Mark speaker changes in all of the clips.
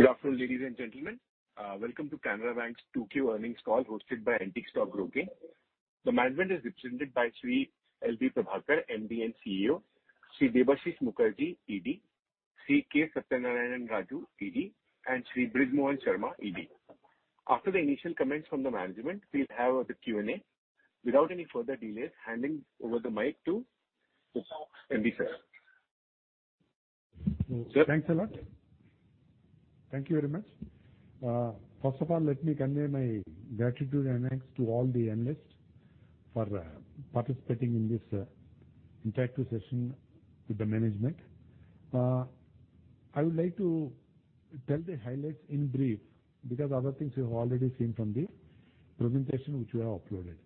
Speaker 1: Good afternoon, ladies and gentlemen. Welcome to Canara Bank's Q2 earnings call hosted by Antique Stock Broking. The management is represented by Shri L.V. Prabhakar, MD & CEO, Shri Debashish Mukherjee, ED, Shri K. Satyanarayana Raju, ED, and Shri Brij Mohan Sharma, ED. After the initial comments from the management, we'll have the Q&A. Without any further delays, handing over the mic to L.V. sir.
Speaker 2: Thanks a lot. Thank you very much. First of all, let me convey my gratitude and thanks to all the analysts for participating in this interactive session with the management. I would like to tell the highlights in brief, because other things you have already seen from the presentation which we have uploaded.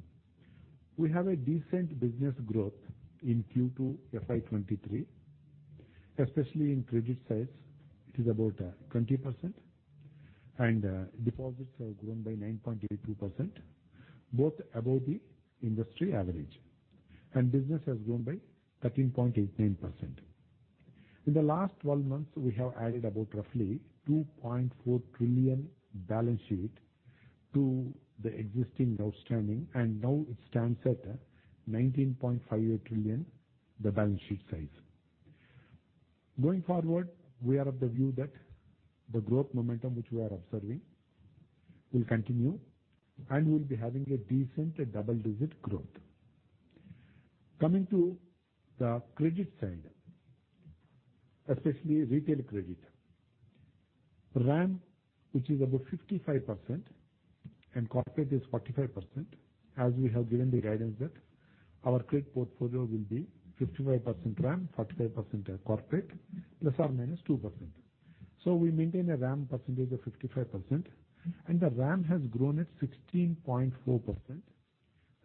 Speaker 2: We have a decent business growth in Q2 FY 2023, especially in credit sales. It is about 20% and deposits have grown by 9.82%, both above the industry average. Business has grown by 13.89%. In the last 12 months, we have added about roughly 2.4 trillion balance sheet to the existing outstanding, and now it stands at 19.58 trillion, the balance sheet size. Going forward, we are of the view that the growth momentum which we are observing will continue, and we'll be having a decent double-digit growth. Coming to the credit side, especially retail credit. RAM, which is about 55% and corporate is 45%, as we have given the guidance that our credit portfolio will be 55% RAM, 45%, corporate, ±2%. We maintain a RAM percentage of 55%, and the RAM has grown at 16.4%.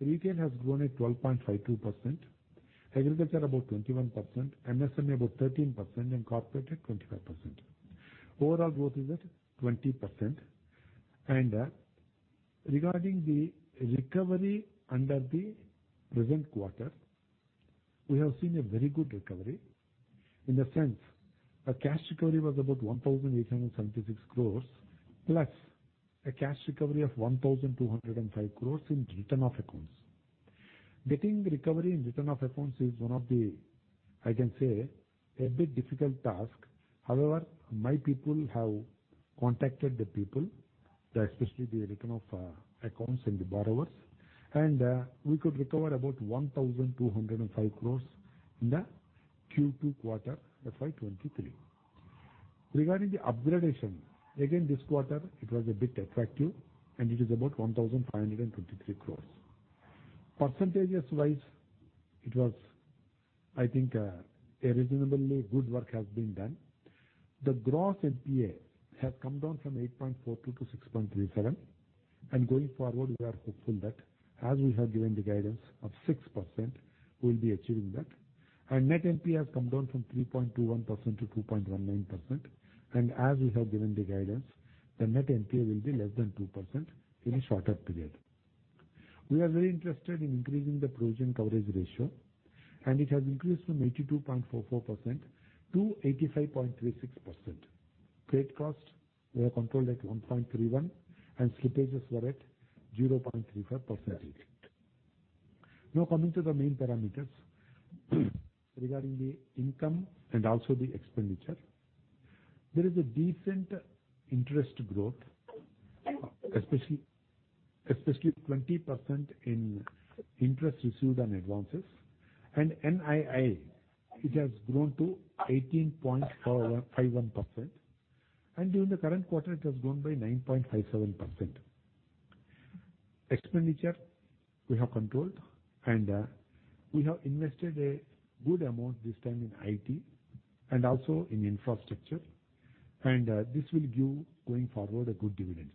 Speaker 2: Retail has grown at 12.52%. Agriculture about 21%. MSME about 13% and corporate at 25%. Overall growth is at 20%. Regarding the recovery under the present quarter, we have seen a very good recovery. In the sense, a cash recovery was about 1,876 crores, plus a cash recovery of 1,205 crores in written-off accounts. Getting recovery in written-off accounts is one of the, I can say, a bit difficult task. However, my people have contacted the people, especially the written-off, accounts and the borrowers, and, we could recover about 1,205 crores in the Q2 quarter FY 2023. Regarding the upgradation, again this quarter it was a bit attractive and it is about 1,523 crores. Percentages wise, it was, I think, a reasonably good work has been done. The gross NPA has come down from 8.42% to 6.37%. Going forward, we are hopeful that as we have given the guidance of 6%, we'll be achieving that. Net NPA has come down from 3.21% to 2.19%. As we have given the guidance, the net NPA will be less than 2% in a shorter period. We are very interested in increasing the provision coverage ratio, and it has increased from 82.44% to 85.36%. Credit cost, we have controlled at 1.31% and slippages were at 0.35%. Now coming to the main parameters regarding the income and also the expenditure. There is a decent interest growth, especially 20% in interest received on advances and NII. It has grown to 18.4151% and during the current quarter it has grown by 9.57%. Expenditure we have controlled and we have invested a good amount this time in IT and also in infrastructure. This will give, going forward, a good dividends.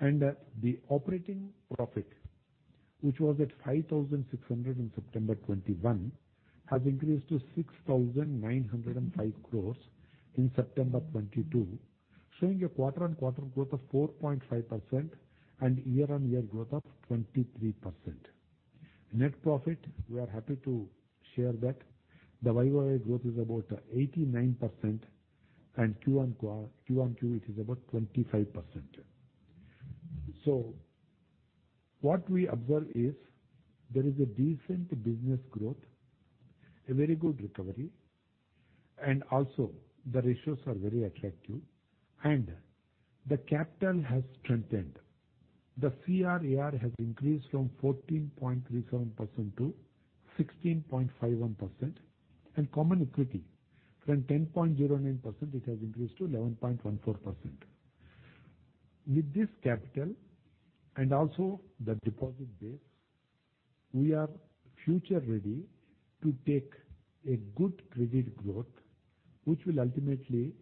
Speaker 2: The operating profit, which was at 5,600 crore in September 2021, has increased to 6,905 crore in September 2022, showing a quarter-on-quarter growth of 4.5% and year-on-year growth of 23%. Net profit, we are happy to share that the YOY growth is about 89% and Q on Q it is about 25%. What we observe is there is a decent business growth, a very good recovery, and also the ratios are very attractive and the capital has strengthened. The CRAR has increased from 14.37% to 16.51%. Common equity from 10.09%, it has increased to 11.14%. With this capital and also the deposit base, we are future ready to take a good credit growth, which will ultimately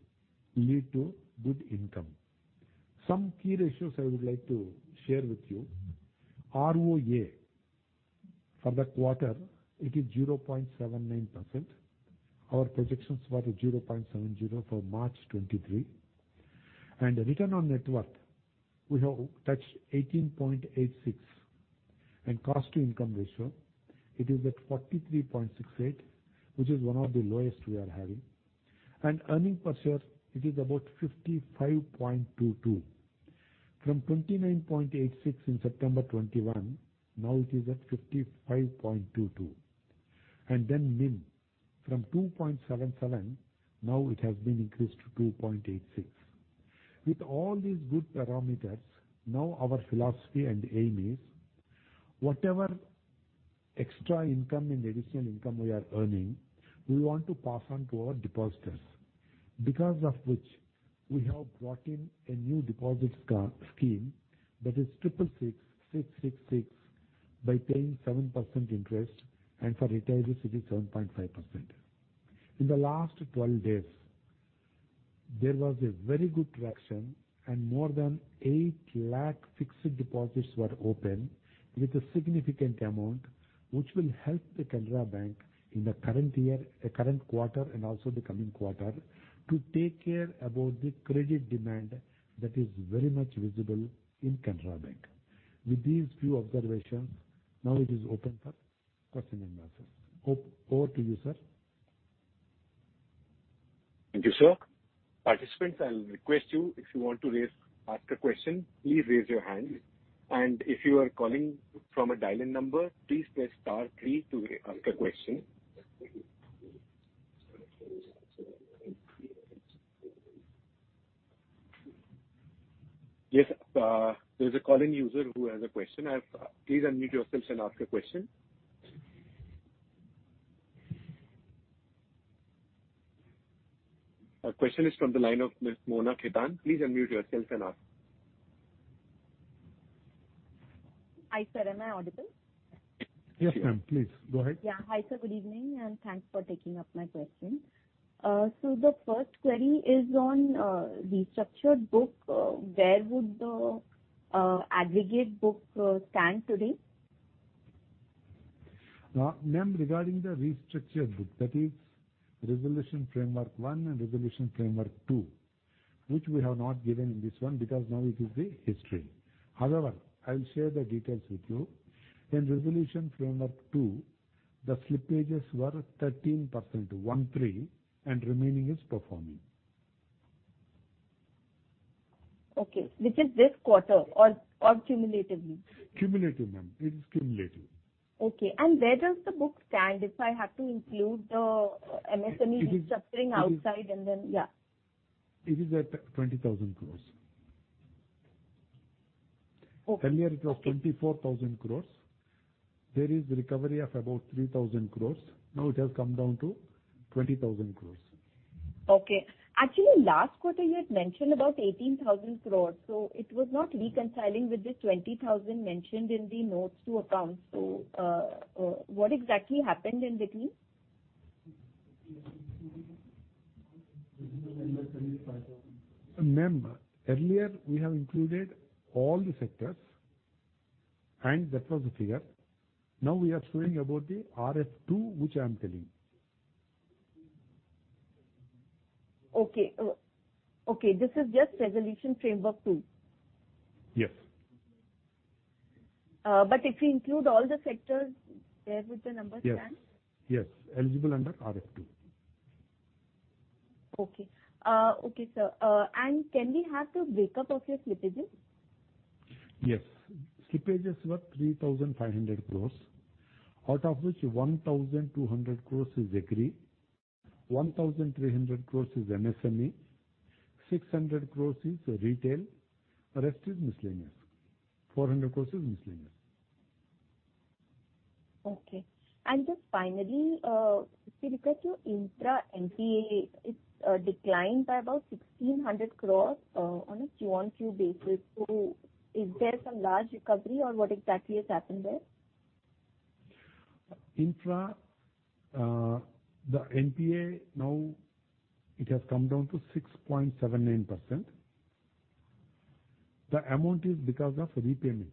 Speaker 2: lead to good income. Some key ratios I would like to share with you. ROA for the quarter it is 0.79%. Our projections were at 0.70 for March 2023. The return on net worth, we have touched 18.86%. Cost to income ratio, it is at 43.68, which is one of the lowest we are having. Earnings per share, it is about 55.22. From 29.86 in September 2021, now it is at 55.22. Then NIM, from 2.77, now it has been increased to 2.86. With all these good parameters, now our philosophy and aim is whatever extra income and additional income we are earning, we want to pass on to our depositors. Because of which we have brought in a new deposit scheme that is 666, by paying 7% interest, and for retirees it is 7.5%. In the last 12 days, there was a very good traction, and more than 8 lakh fixed deposits were opened with a significant amount, which will help the Canara Bank in the current year, current quarter, and also the coming quarter to take care about the credit demand that is very much visible in Canara Bank. With these few observations, now it is open for question and answers. Over to you, sir.
Speaker 1: Thank you, sir. Participants, I will request you if you want to raise, ask a question, please raise your hand. If you are calling from a dial-in number, please press star three to ask a question. Yes, there's a calling user who has a question. Please unmute yourself and ask your question. Our question is from the line of. Please unmute yourself and ask.
Speaker 3: Hi, sir. Am I audible?
Speaker 2: Yes, ma'am, please go ahead.
Speaker 3: Yeah. Hi, sir. Good evening, and thanks for taking up my question. The first query is on restructured book. Where would the aggregate book stand today?
Speaker 2: Ma'am, regarding the restructured book, that is Resolution Framework 1.0 and Resolution Framework 2.0, which we have not given in this one because now it is the history. However, I'll share the details with you. In Resolution Framework 2.0, the slippages were 13%, 13, and remaining is performing.
Speaker 3: Okay, which is this quarter or cumulatively?
Speaker 2: Cumulative, ma'am. It is cumulative.
Speaker 3: Okay. Where does the book stand if I have to include the MSME-
Speaker 2: It is.
Speaker 3: Restructuring outside, and then yeah.
Speaker 2: It is at 20,000 crore.
Speaker 3: Okay.
Speaker 2: Earlier it was 24,000 crores. There is recovery of about 3,000 crores. Now it has come down to 20,000 crores.
Speaker 3: Okay. Actually, last quarter you had mentioned about 18,000 crore, so it was not reconciling with the 20,000 crore mentioned in the notes to accounts. What exactly happened in between?
Speaker 2: Ma'am, earlier we have included all the sectors, and that was the figure. Now we are showing about the RF 2, which I am telling you.
Speaker 3: Okay. Okay, this is just Resolution Framework 2.0.
Speaker 2: Yes.
Speaker 3: If we include all the sectors, where would the number stand?
Speaker 2: Yes. Yes. Eligible under RF 2.
Speaker 3: Okay. Okay, sir. Can we have the break-up of your slippages?
Speaker 2: Yes. Slippages were 3,500 crores, out of which 1,200 crores is agri, 1,300 crores is MSME, 600 crores is retail, rest is miscellaneous. 400 crores is miscellaneous.
Speaker 3: Okay. Just finally, with regard to net NPA, it's declined by about 1,600 crores on a Q-on-Q basis. Is there some large recovery or what exactly has happened there?
Speaker 2: In the NPA now it has come down to 6.79%. The amount is because of repayment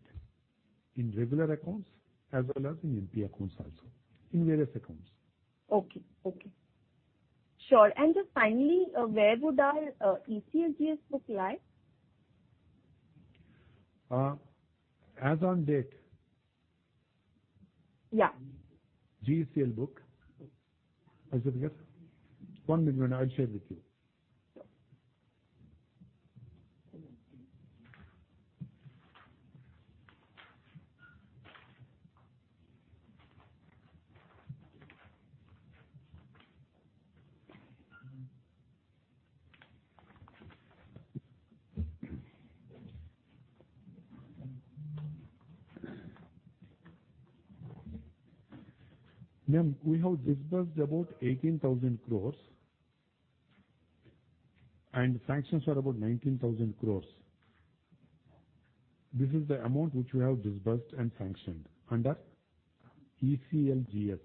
Speaker 2: in regular accounts as well as in NPA accounts also, in various accounts.
Speaker 3: Okay. Sure. Just finally, where would our ECLGS book lie?
Speaker 2: As on date.
Speaker 3: Yeah.
Speaker 2: GCL book. I said yes. One minute, ma'am. I'll share with you.
Speaker 4: Sure.
Speaker 2: Ma'am, we have disbursed about 18,000 crores, and sanctions are about 19,000 crores. This is the amount which we have disbursed and sanctioned under ECLGS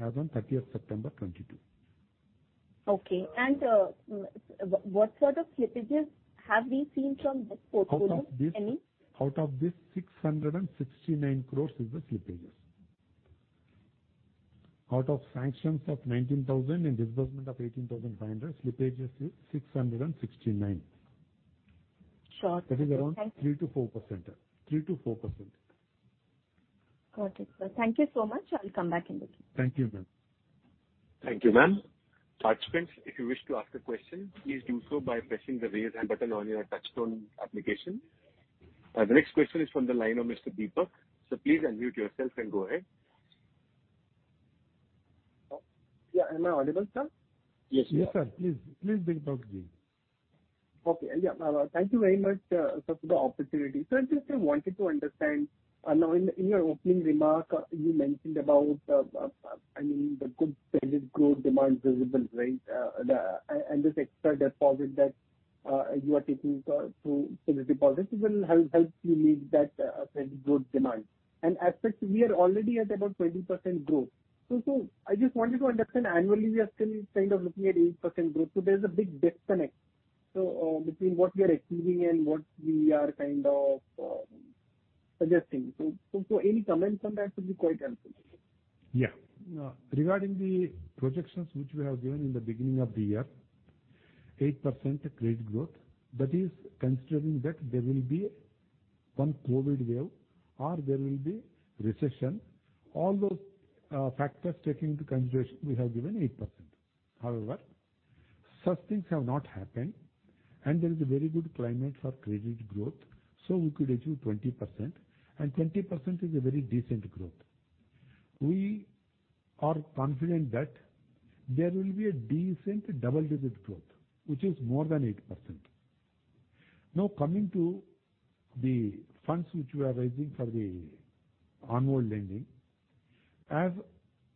Speaker 2: as on thirtieth September 2022.
Speaker 3: What sort of slippages have we seen from this portfolio? Any?
Speaker 2: Out of this, 669 crores is the slippages. Out of sanctions of 19,000 crore and disbursement of 18,500 crore, slippage is 669 crore.
Speaker 3: Sure.
Speaker 2: That is around 3%-4%. 3%-4%.
Speaker 3: Got it, sir. Thank you so much. I'll come back in the queue.
Speaker 2: Thank you, ma'am.
Speaker 1: Thank you, ma'am. Participants, if you wish to ask a question, please do so by pressing the Raise Hand button on your Touchstone application. The next question is from the line of Mr. Deepak. Sir, please unmute yourself and go ahead.
Speaker 5: Yeah. Am I audible, sir?
Speaker 1: Yes, you are.
Speaker 2: Yes, sir. Please, Deepak ji.
Speaker 5: Okay. Yeah. Thank you very much, sir, for the opportunity. I just wanted to understand, now in your opening remark, you mentioned about, I mean, the good credit growth demand visible, right? This extra deposit that you are taking through savings deposits will help you meet that credit growth demand. As such we are already at about 20% growth. I just wanted to understand annually we are still kind of looking at 8% growth, so there's a big disconnect between what we are achieving and what we are kind of suggesting. Any comments on that will be quite helpful.
Speaker 2: Yeah. Regarding the projections which we have given in the beginning of the year, 8% credit growth, that is considering that there will be one COVID wave or there will be recession. All those factors taking into consideration, we have given 8%. However, such things have not happened and there is a very good climate for credit growth, so we could achieve 20%, and 20% is a very decent growth. We are confident that there will be a decent double-digit growth, which is more than 8%. Now, coming to the funds which we are raising for the onward lending, as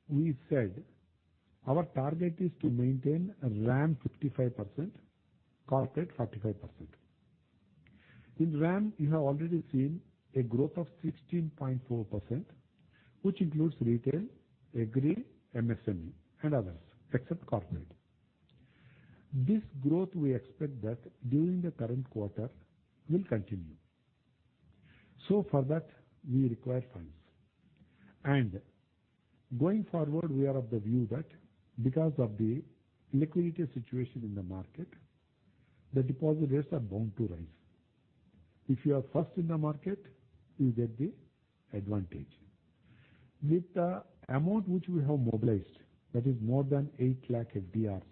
Speaker 2: we said, our target is to maintain RAM 55%, corporate 45%. In RAM you have already seen a growth of 16.4%, which includes retail, agri, MSME, and others, except corporate. This growth we expect that during the current quarter will continue. For that we require funds. Going forward, we are of the view that because of the liquidity situation in the market, the deposit rates are bound to rise. If you are first in the market, you get the advantage. With the amount which we have mobilized, that is more than 8 lakh FDRs,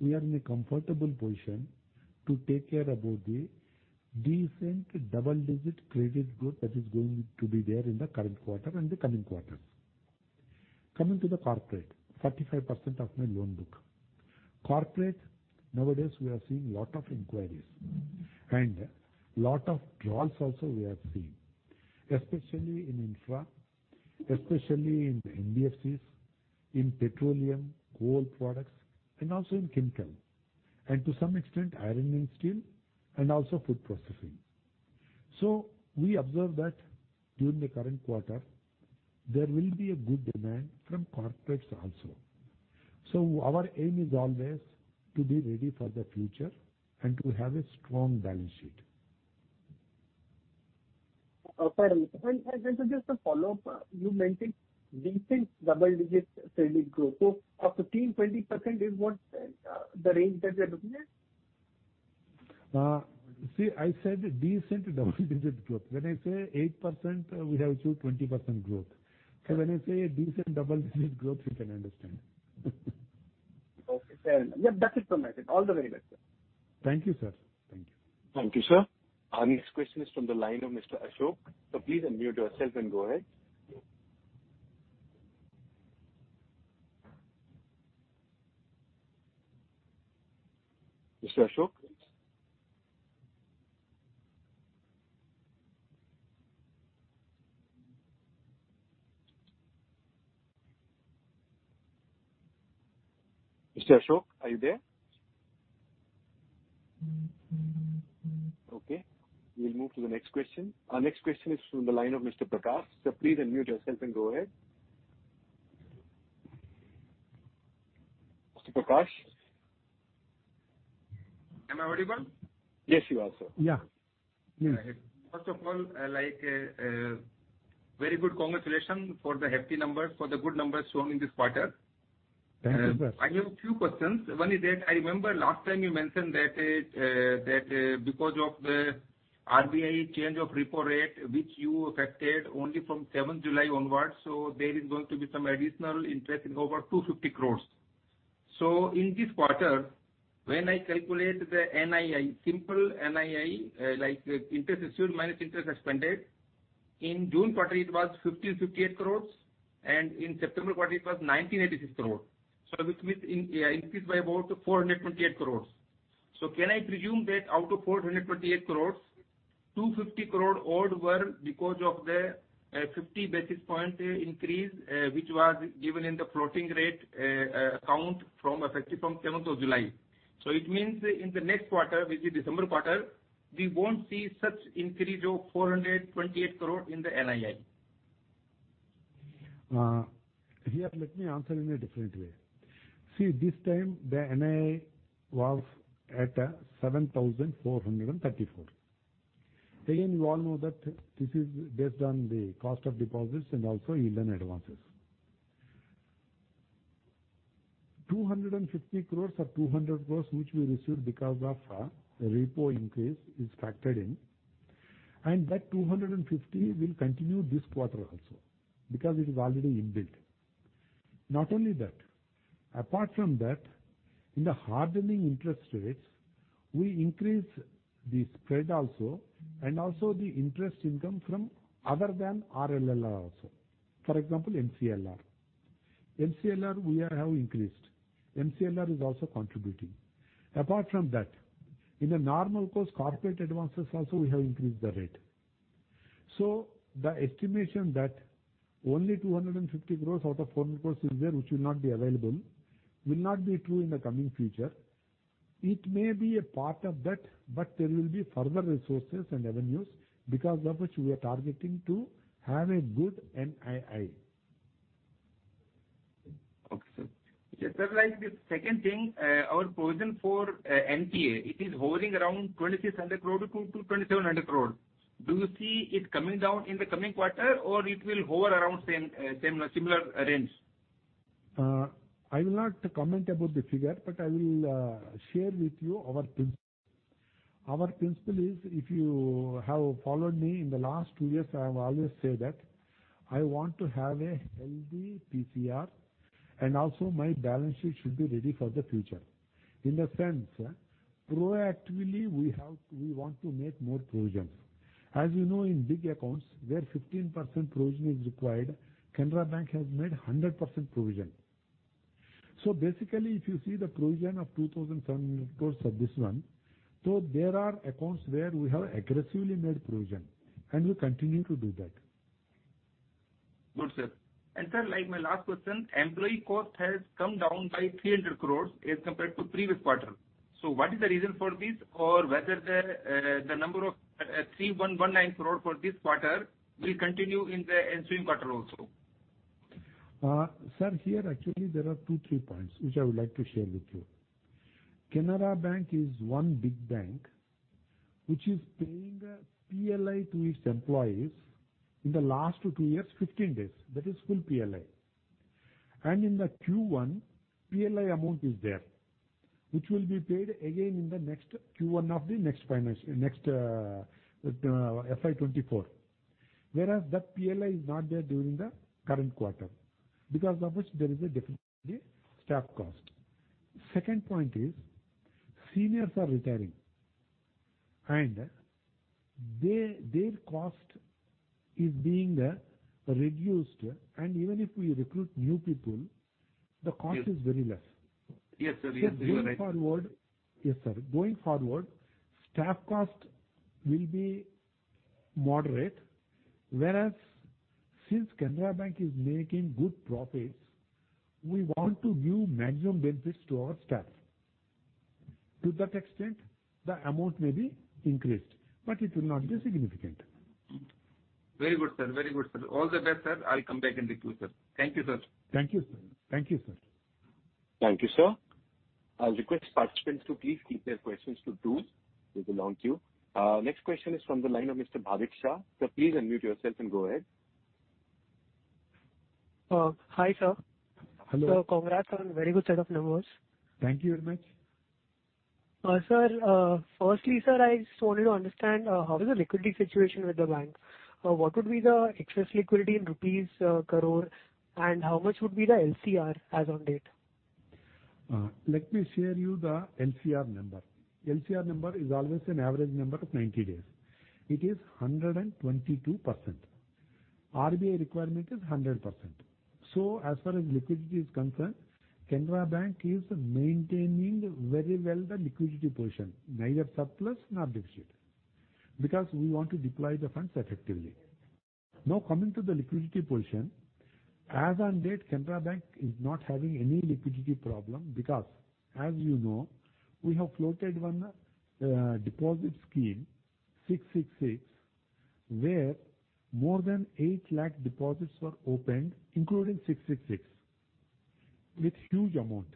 Speaker 2: we are in a comfortable position to take care about the decent double-digit credit growth that is going to be there in the current quarter and the coming quarters. Coming to the corporate, 45% of my loan book. Corporate, nowadays we are seeing lot of inquiries and lot of draws also we are seeing, especially in infra, especially in the NBFCs, in petroleum, coal products, and also in chemical, and to some extent iron and steel and also food processing. We observe that during the current quarter there will be a good demand from corporates also. Our aim is always to be ready for the future and to have a strong balance sheet.
Speaker 5: Sir, just a follow-up. You mentioned decent double-digit credit growth. Up to 20% is what the range that we are looking at?
Speaker 2: See, I said decent double digit growth. When I say 8%, we have achieved 20% growth. When I say a decent double digit growth, you can understand.
Speaker 5: Okay, fair enough. Yeah, that is the message. All the very best, sir.
Speaker 2: Thank you, sir. Thank you.
Speaker 1: Thank you, sir. Our next question is from the line of Mr. Ashok. Sir, please unmute yourself and go ahead. Mr. Ashok? Mr. Ashok, are you there? Okay, we'll move to the next question. Our next question is from the line of Mr. Prakash. Sir, please unmute yourself and go ahead. Mr. Prakash?
Speaker 6: Am I audible?
Speaker 1: Yes, you are, sir.
Speaker 2: Yeah. Mm-hmm.
Speaker 6: First of all, I like very good congratulations for the hefty numbers, for the good numbers shown in this quarter.
Speaker 2: Thank you, sir.
Speaker 6: I have two questions. One is that I remember last time you mentioned that because of the RBI change of repo rate, which you affected only from seventh July onwards, there is going to be some additional interest income over 250 crores. In this quarter, when I calculate the NII, simple NII, like interest earned minus interest expense, in June quarter it was 1,558 crores and in September quarter it was 1,986 crores. Which means it increased by about 428 crores. Can I presume that out of 428 crores, 250 crore odd were because of the 50 basis points increase which was given in the floating rate account effective from seventh of July. It means in the next quarter, which is December quarter, we won't see such increase of 428 crore in the NII.
Speaker 2: Here let me answer in a different way. See, this time the NII was at 7,434. Again, you all know that this is based on the cost of deposits and also yield on advances. 250 crores or 200 crores, which we received because of the repo increase is factored in, and that 250 crores will continue this quarter also because it is already inbuilt. Not only that, apart from that, in the hardening interest rates, we increase the spread also, and also the interest income from other than RLLR also. For example, MCLR. MCLR we are have increased. MCLR is also contributing. Apart from that, in the normal course, corporate advances also we have increased the rate. The estimation that only 250 crores out of 400 crores is there, which will not be available, will not be true in the coming future. It may be a part of that, but there will be further resources and revenues because of which we are targeting to have a good NII.
Speaker 6: Okay, sir. Yes, sir, like the second thing, our provision for NPA, it is hovering around 2,600 crore-2,700 crore. Do you see it coming down in the coming quarter or it will hover around same similar range?
Speaker 2: I will not comment about the figure, but I will share with you our principle. Our principle is if you have followed me in the last two years, I have always said that I want to have a healthy PCR and also my balance sheet should be ready for the future. In a sense, proactively, we want to make more provisions. As you know, in big accounts where 15% provision is required, Canara Bank has made 100% provision. Basically, if you see the provision of 2,007 crores of this one, there are accounts where we have aggressively made provision, and we continue to do that.
Speaker 6: Good, sir. Sir, like my last question, employee cost has come down by 300 crore as compared to previous quarter. What is the reason for this or whether the number of 3,119 crore for this quarter will continue in the ensuing quarter also?
Speaker 2: Sir, here actually there are two, three points which I would like to share with you. Canara Bank is one big bank which is paying a PLI to its employees in the last two years, fifteen days. That is full PLI. In the Q1, PLI amount is there, which will be paid again in the next Q1 of the next FY 2024. Whereas that PLI is not there during the current quarter. Because of which there is a definitely staff cost. Second point is seniors are retiring, and their cost is being reduced. Even if we recruit new people, the cost is very less.
Speaker 6: Yes, sir. You are right.
Speaker 2: Yes, sir. Going forward, staff cost will be moderate, whereas since Canara Bank is making good profits, we want to give maximum benefits to our staff. To that extent, the amount may be increased, but it will not be significant.
Speaker 6: Very good, sir. All the best, sir. I'll come back in the queue, sir. Thank you, sir.
Speaker 2: Thank you, sir. Thank you, sir.
Speaker 1: Thank you, sir. I'll request participants to please keep their questions in queue. Next question is from the line of Mr. Bhavik Shah. Sir, please unmute yourself and go ahead.
Speaker 7: Hi, sir.
Speaker 2: Hello.
Speaker 7: Sir, congrats on very good set of numbers.
Speaker 2: Thank you very much.
Speaker 7: Sir, firstly, sir, I just wanted to understand how is the liquidity situation with the bank. What would be the excess liquidity in rupees crore, and how much would be the LCR as on date?
Speaker 2: Let me share you the LCR number. LCR number is always an average number of 90 days. It is 122%. RBI requirement is 100%. As far as liquidity is concerned, Canara Bank is maintaining very well the liquidity position, neither surplus nor deficit, because we want to deploy the funds effectively. Now, coming to the liquidity position, as on date, Canara Bank is not having any liquidity problem because, as you know, we have floated one deposit scheme, 666, where more than 8 lakh deposits were opened, including 666, with huge amount.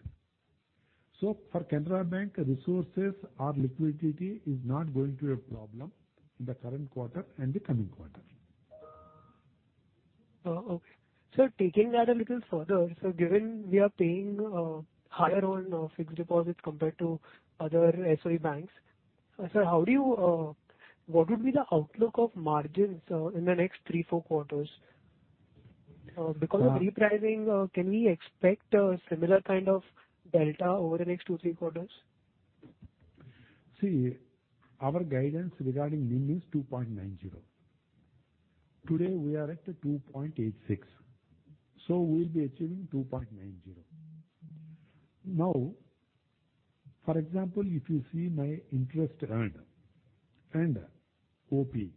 Speaker 2: For Canara Bank, resources or liquidity is not going to be a problem in the current quarter and the coming quarter.
Speaker 7: Okay. Sir, taking that a little further, so given we are paying higher on fixed deposits compared to other PSU banks, sir, how do you, what would be the outlook of margins in the next three to four quarters? Because of repricing, can we expect a similar kind of delta over the next two to three quarters?
Speaker 2: See, our guidance regarding NIM is 2.90%. Today, we are at a 2.86%, so we'll be achieving 2.90%. Now, for example, if you see my interest earned and OPE,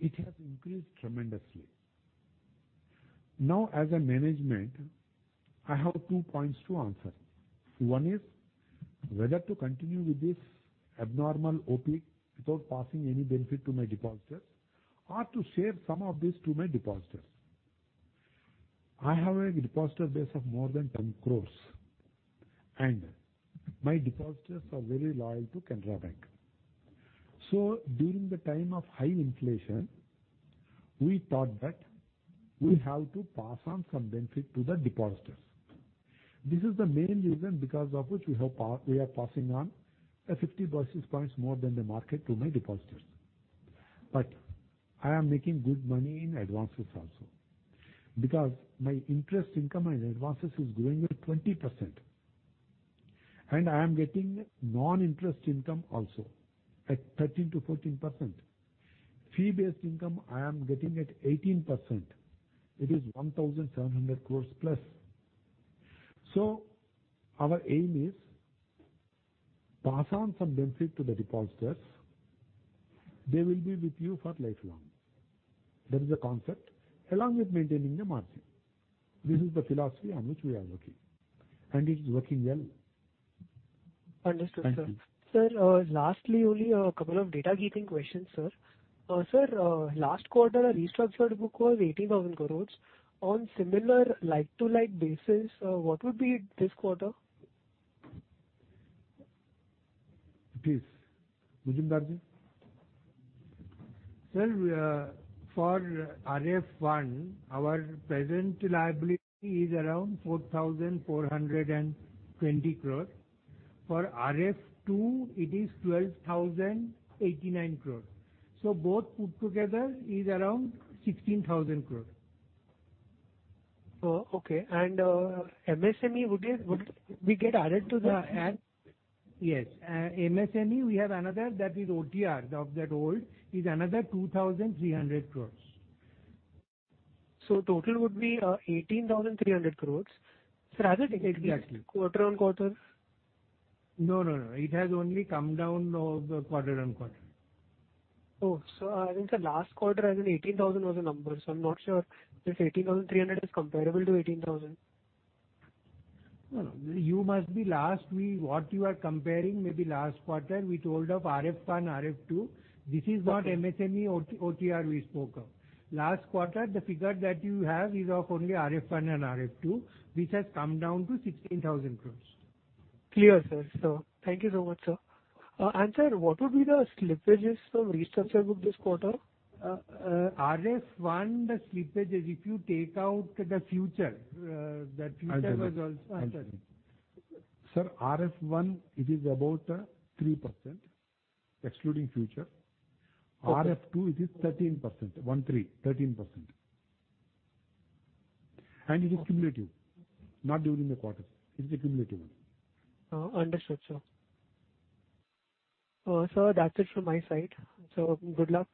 Speaker 2: it has increased tremendously. Now, as a management, I have two points to answer. One is whether to continue with this abnormal OPE without passing any benefit to my depositors or to share some of this to my depositors. I have a depositor base of more than 10 crore, and my depositors are very loyal to Canara Bank. During the time of high inflation, we thought that we have to pass on some benefit to the depositors. This is the main reason because of which we are passing on 50 basis points more than the market to my depositors. I am making good money in advances also because my interest income and advances is growing at 20% and I am getting non-interest income also at 13%-14%. Fee-based income, I am getting at 18%. It is 1,700 crore+. Our aim is pass on some benefit to the depositors. They will be with you for lifelong. That is the concept along with maintaining the margin. This is the philosophy on which we are working and it's working well.
Speaker 7: Understood, sir.
Speaker 2: Thank you.
Speaker 7: Sir, lastly, only a couple of data-keeping questions, sir. Sir, last quarter our restructured book was 80,000 crore. On similar like-to-like basis, what would be it this quarter?
Speaker 2: Please, Majumdar.
Speaker 8: For RF one, our present liability is around 4,420 crore. For RF two it is 12,089 crore. Both put together is around 16,000 crore.
Speaker 7: Oh, okay. MSME, would we get added to the-
Speaker 8: Yes. MSME, we have another that is OTR. Out of that old is another 2,300 crores.
Speaker 7: Total would be 18,300 crores. Sir, has it-
Speaker 8: Exactly.
Speaker 7: quarter-over-quarter?
Speaker 8: No, no. It has only come down now, the quarter-over-quarter.
Speaker 7: Oh. I think the last quarter as in 18,000 was the number, so I'm not sure if 18,300 is comparable to 18,000.
Speaker 8: No. You must mean last week. What you are comparing maybe last quarter we told of RF 1, RF 2. This is not MSME OT, OTR we spoke of. Last quarter, the figure that you have is of only RF 1 and RF 2, which has come down to 16,000 crore.
Speaker 7: Clear, sir. Thank you so much, sir. Sir, what would be the slippages from restructure book this quarter?
Speaker 8: RF one, the slippage is if you take out the future, the future was also.
Speaker 2: I'll tell. Sir, RF 1 it is about 3% excluding future. RF 2 it is 13%. It is cumulative, not during the quarter. It's a cumulative one.
Speaker 7: Oh, understood, sir. Sir, that's it from my side. Good luck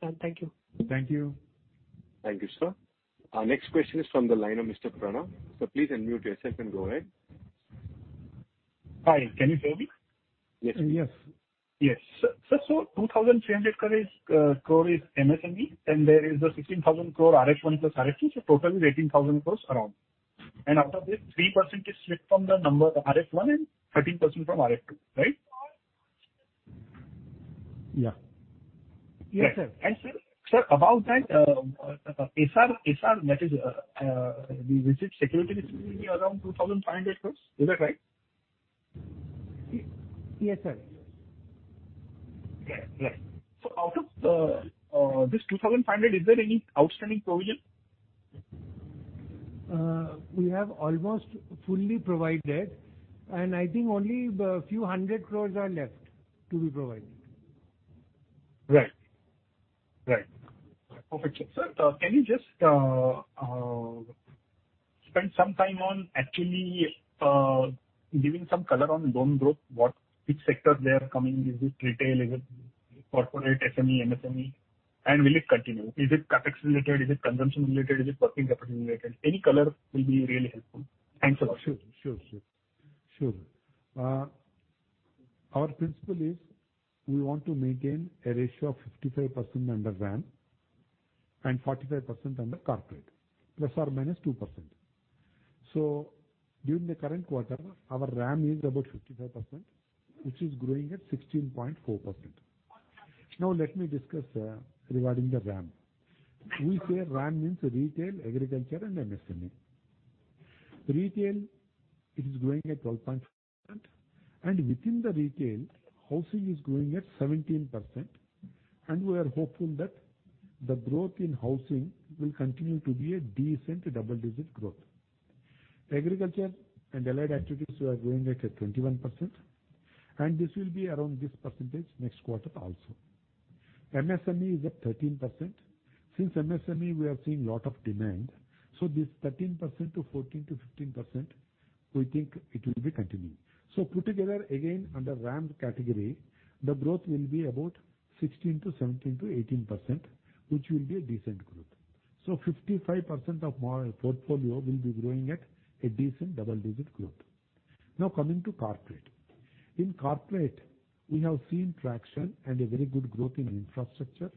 Speaker 7: and thank you.
Speaker 8: Thank you.
Speaker 1: Thank you, sir. Our next question is from the line of Mr. Pranav. Sir, please unmute yourself and go ahead.
Speaker 9: Hi. Can you hear me?
Speaker 1: Yes.
Speaker 8: Yes.
Speaker 9: Yes. Sir, 2,300 crore is MSME and there is a 16,000 crore RF 1 plus RF 2, so total is 18,000 crores around. Out of this 3% is slipped from the number RF 1 and 13% from RF 2, right?
Speaker 2: Yeah.
Speaker 8: Yes, sir.
Speaker 9: Sir, about that, SR, that is, the debt security will be around 2,500 crore. Is that right?
Speaker 8: Yes, sir.
Speaker 9: Okay. Yes. Out of this 2,500, is there any outstanding provision?
Speaker 8: We have almost fully provided, and I think only a few hundred crores are left to be provided.
Speaker 9: Right. Perfect. Sir, can you just spend some time on actually giving some color on loan growth, which sector they are coming from, is it retail? Is it corporate, SME, MSME? Will it continue? Is it CapEx related? Is it consumption related? Is it working capital related? Any color will be really helpful. Thanks a lot.
Speaker 2: Sure. Our principle is we want to maintain a ratio of 55% under RAM and 45% under corporate, ±2%. During the current quarter our RAM is about 55%, which is growing at 16.4%. Now let me discuss regarding the RAM. We say RAM means retail, agriculture and MSME. Retail is growing at 12.5% and within the retail housing is growing at 17% and we are hopeful that the growth in housing will continue to be a decent double-digit growth. Agriculture and allied activities were growing at 21% and this will be around this percentage next quarter also. MSME is at 13%. Since MSME we are seeing lot of demand, so this 13% to 14% to 15% we think it will be continuing. Put together again under RAM category the growth will be about 16%-18%, which will be a decent growth. Fifty-five percent of our portfolio will be growing at a decent double-digit growth. Now coming to corporate. In corporate, we have seen traction and a very good growth in infrastructure,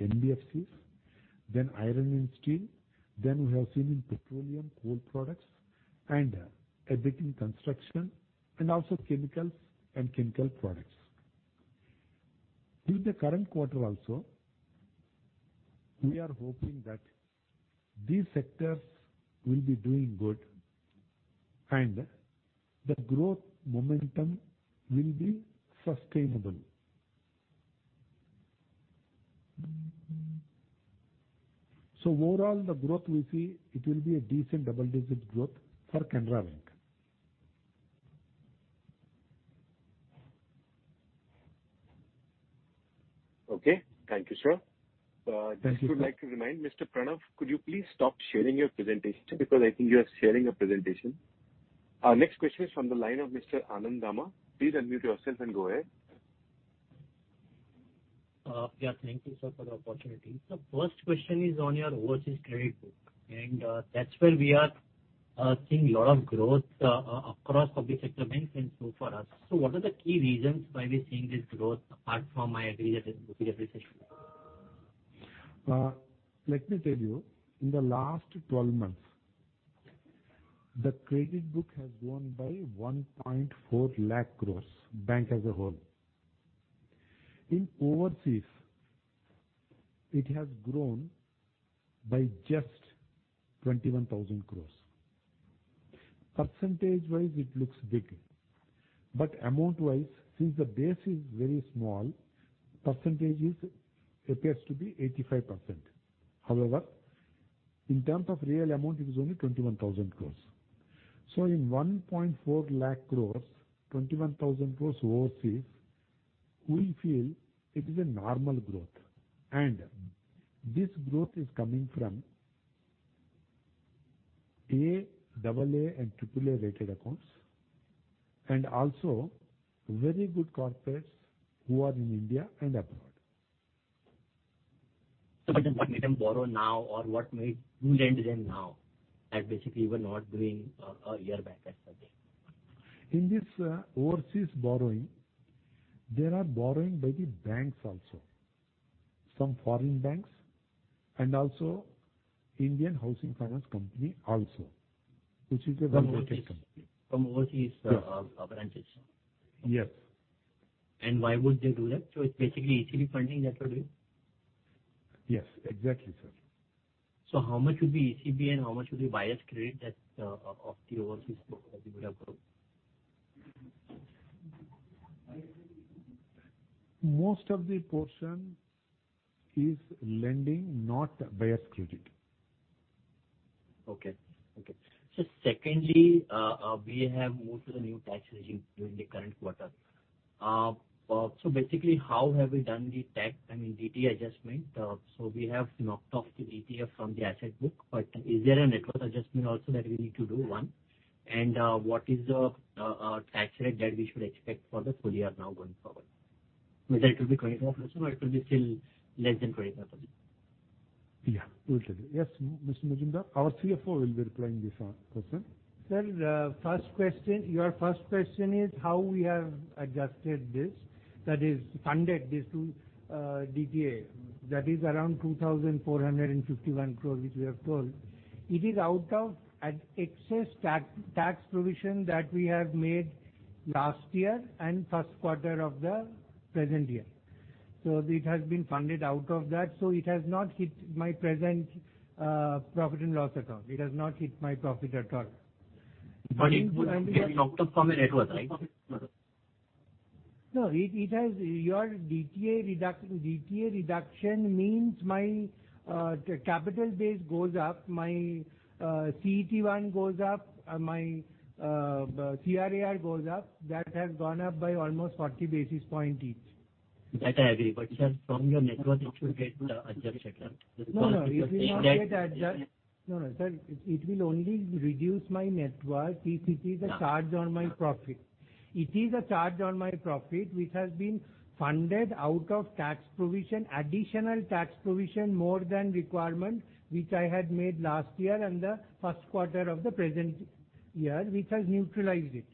Speaker 2: NBFCs, then iron and steel, then we have seen in petroleum, coal products and a bit in construction and also chemicals and chemical products. In the current quarter also, we are hoping that these sectors will be doing good and the growth momentum will be sustainable. Overall, the growth we see it will be a decent double-digit growth for Canara Bank.
Speaker 1: Okay. Thank you, sir. Just would like to remind Mr. Pranav, could you please stop sharing your presentation because I think you are sharing a presentation. Our next question is from the line of Mr. Anand Dama. Please unmute yourself and go ahead.
Speaker 10: Yeah, thank you, sir, for the opportunity. The first question is on your overseas credit book, and that's where we are seeing a lot of growth across public sector banks and so for us. What are the key reasons why we're seeing this growth apart from I agree that is book appreciation?
Speaker 2: Let me tell you, in the last 12 months, the credit book has grown by 140,000 crores for the bank as a whole. In overseas, it has grown by just 21,000 crores. Percentage-wise, it looks big, but amount-wise, since the base is very small, percentage appears to be 85%. However, in terms of real amount, it is only 21,000 crores. In 140,000 crores, 21,000 crores overseas, we feel it is a normal growth, and this growth is coming from A, double A, and triple A-rated accounts and also very good corporates who are in India and abroad.
Speaker 4: What made them borrow now or what made you lend to them now that basically you were not doing a year back as such?
Speaker 2: In this overseas borrowing, there are borrowing by the banks also, some foreign banks and also Indian housing finance company also, which is a well-rated company.
Speaker 4: From overseas branches?
Speaker 2: Yes.
Speaker 4: Why would they do that? It's basically ECB funding that you're doing?
Speaker 2: Yes, exactly, sir.
Speaker 4: How much would be ECB and how much would be buyer's credit that of the overseas book as you would have grown?
Speaker 2: Most of the portion is lending, not buyer's credit.
Speaker 4: Secondly, we have moved to the new tax regime during the current quarter. Basically, how have we done the tax, I mean, DTA adjustment? We have knocked off the DTA from the asset book, but is there a net worth adjustment also that we need to do? One. What is the tax rate that we should expect for the full year now going forward? Whether it will be 25% or it will be still less than 25%.
Speaker 2: Yeah. Totally. Yes, Mr. Majumdar. Our CFO will be replying this one, question.
Speaker 8: Sir, the first question, your first question is how we have adjusted this, that is funded this to DTA. That is around 2,451 crore, which we have told. It is out of an excess tax provision that we have made last year and first quarter of the present year. It has been funded out of that. It has not hit my present profit and loss at all. It has not hit my profit at all.
Speaker 4: It would have been knocked off from the network, right?
Speaker 8: No, it has your DTA reduction means my Tier 1 capital base goes up, my CET1 goes up, my CRAR goes up. That has gone up by almost 40 basis points each.
Speaker 4: That I agree. Sir, from your network, it should get adjusted.
Speaker 8: No, sir, it will only reduce my net worth if it is a charge on my profit. It is a charge on my profit, which has been funded out of tax provision, additional tax provision, more than requirement, which I had made last year and the first quarter of the present year, which has neutralized it.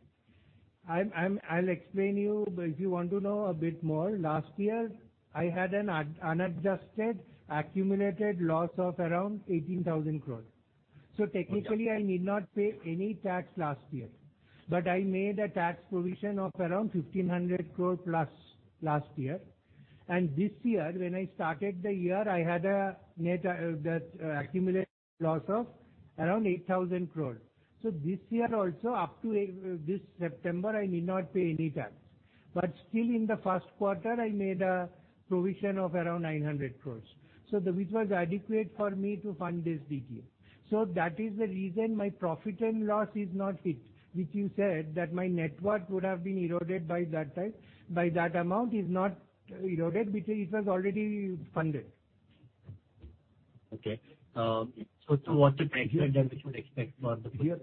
Speaker 8: I'm, I'll explain you, but if you want to know a bit more, last year, I had an unadjusted accumulated loss of around 18,000 crore. Technically, I need not pay any tax last year, but I made a tax provision of around 1,500 crore plus last year. This year, when I started the year, I had a net, the accumulated loss of around 8,000 crore. This year also, up to this September, I need not pay any tax. Still in the first quarter, I made a provision of around 900 crore, so which was adequate for me to fund this DTA. That is the reason my profit and loss is not hit, which you said that my net worth would have been eroded by that time. But that amount is not eroded because it was already funded.
Speaker 4: Okay. What's the tax rate that we should expect for the full year?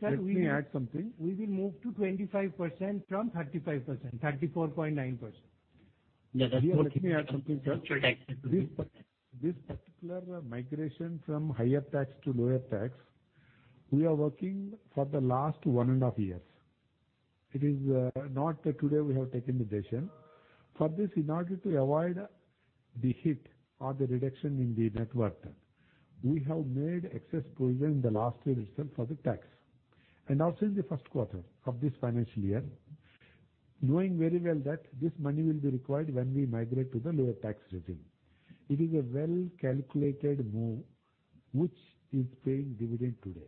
Speaker 2: Sir, let me add something. We will move to 25% from 35%, 34.9%.
Speaker 4: Yeah, that's what.
Speaker 2: Here let me add something, sir. This particular migration from higher tax to lower tax, we are working for the last one and a half years. It is not today we have taken the decision. For this, in order to avoid the hit or the reduction in the net worth, we have made excess provision in the last year itself for the tax. Also in the first quarter of this financial year, knowing very well that this money will be required when we migrate to the lower tax regime. It is a well-calculated move which is paying dividend today.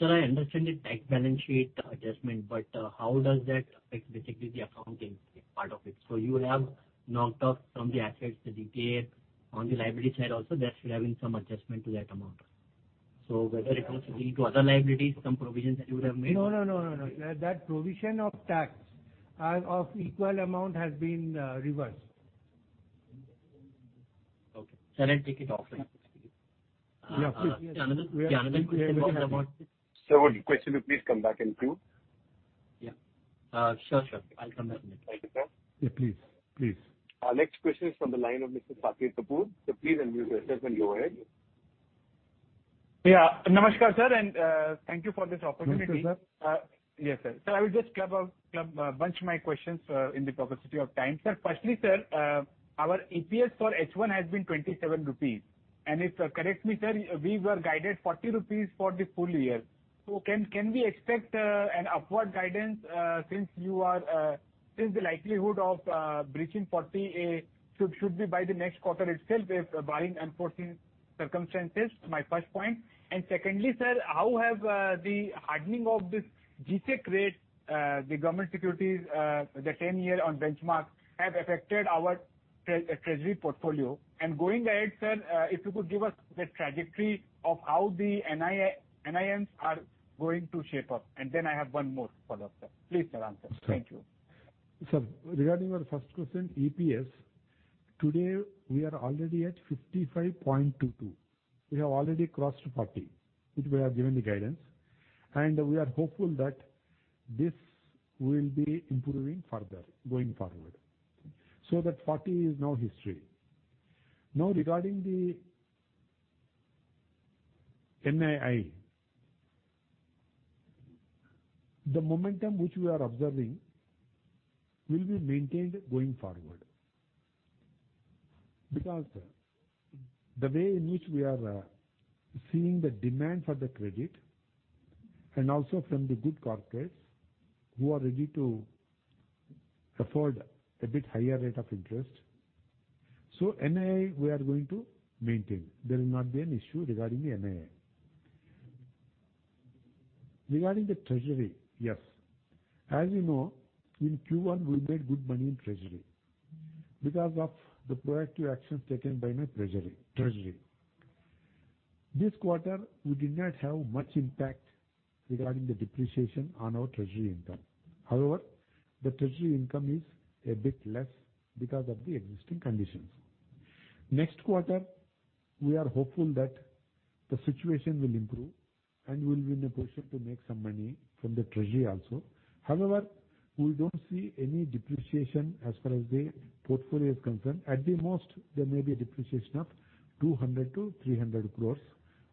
Speaker 4: Sir, I understand the tax balance sheet adjustment, but how does that affect basically the accounting part of it? You would have knocked off from the assets the DTA. On the liability side also, there should have been some adjustment to that amount. Whether it was due to other liabilities, some provisions that you would have made.
Speaker 2: No. That provision of tax of equal amount has been reversed.
Speaker 4: Okay. I take it off, sir.
Speaker 2: Yeah, please.
Speaker 1: Sir, would you question to please come back in queue?
Speaker 4: Yeah. Sure. I'll come back in queue.
Speaker 1: Thank you, sir.
Speaker 2: Yeah, please. Please.
Speaker 1: Our next question is from the line of Mr. Saket Kapoor. Please unmute yourself and go ahead.
Speaker 11: Yeah. Namaskar, sir, and thank you for this opportunity.
Speaker 2: Namaste, sir.
Speaker 11: Yes, sir. I will just club a bunch of my questions in the interest of time. Sir, firstly, sir, our EPS for H1 has been 27 rupees. And if correct me, sir, we were guided 40 rupees for the full year. Can we expect an upward guidance since the likelihood of bridging 40 should be by the next quarter itself, barring unforeseen circumstances? My first point. Secondly, sir, how have the hardening of this G-Sec rate, the government securities, the ten-year benchmark affected our treasury portfolio? Going ahead, sir, if you could give us the trajectory of how the NII is going to shape up. Then I have one more follow-up, sir. Please, sir, answer. Thank you.
Speaker 2: Sir, regarding your first question, EPS, today we are already at 55.22. We have already crossed 40, which we have given the guidance. We are hopeful that this will be improving further going forward. That 40 is now history. Now regarding the NII, the momentum which we are observing will be maintained going forward. Because the way in which we are seeing the demand for the credit and also from the good corporates who are ready to afford a bit higher rate of interest. NII we are going to maintain. There will not be an issue regarding the NII. Regarding the treasury, yes. As you know, in Q1 we made good money in treasury because of the proactive actions taken by my treasury. This quarter we did not have much impact regarding the depreciation on our treasury income. However, the treasury income is a bit less because of the existing conditions. Next quarter we are hopeful that the situation will improve and we'll be in a position to make some money from the treasury also. However, we don't see any depreciation as far as the portfolio is concerned. At the most, there may be a depreciation of 200 crores-300 crores,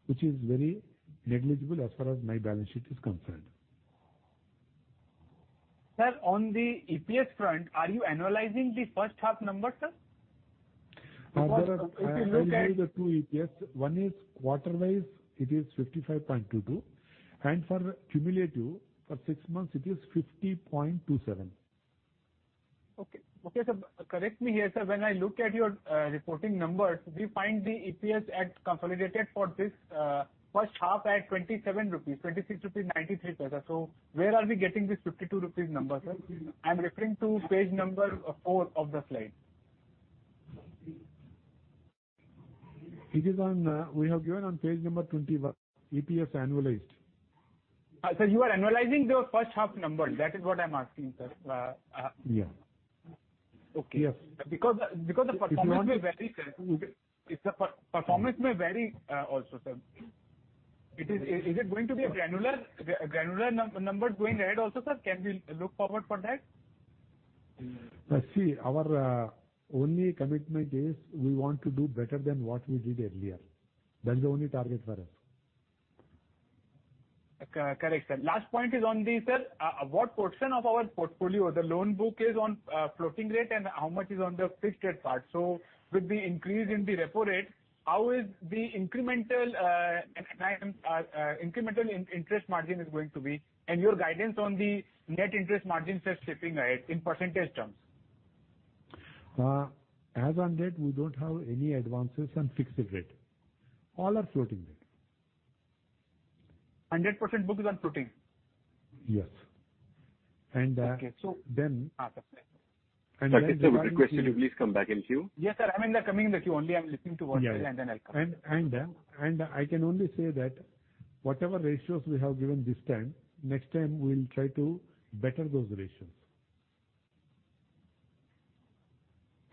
Speaker 2: which is very negligible as far as my balance sheet is concerned.
Speaker 11: Sir, on the EPS front, are you annualizing the first half number, sir? Because if you look at-
Speaker 2: I will give you the two EPS. One is quarter wise, it is 55.22. For cumulative for six months it is 50.27.
Speaker 11: Okay. Okay, sir. Correct me here, sir. When I look at your reporting numbers, we find the EPS at consolidated for this first half at 27 rupees, 26.93 rupees. Where are we getting this 52 rupees number, sir? I'm referring to page number four of the slide.
Speaker 2: It is on, we have given on page number 21. EPS annualized.
Speaker 11: Sir, you are annualizing the first half number. That is what I'm asking, sir.
Speaker 2: Yeah.
Speaker 11: Okay.
Speaker 2: Yes.
Speaker 11: Because the performance may vary, sir. Performance may vary also, sir. Is it going to be a granular numbers going ahead also, sir? Can we look forward for that?
Speaker 2: See, our only commitment is we want to do better than what we did earlier. That's the only target for us.
Speaker 11: Correct, sir. Last point is on the, sir, what portion of our portfolio, the loan book is on, floating rate and how much is on the fixed rate part? With the increase in the repo rate, how is the incremental NIM, incremental interest margin, going to be? Your guidance on the net interest margin, sir, shaping ahead in percentage terms.
Speaker 2: As on date, we don't have any advances on fixed rate. All are floating rate.
Speaker 11: 100% book is on floating?
Speaker 2: Yes.
Speaker 11: Okay.
Speaker 2: Then-
Speaker 11: Sir.
Speaker 1: Saket sir, would you question to please come back in queue?
Speaker 11: Yes, sir. I mean, I'm coming in the queue only. I'm listening to what sir.
Speaker 2: Yeah.
Speaker 11: I'll come.
Speaker 2: I can only say that whatever ratios we have given this time, next time we'll try to better those ratios.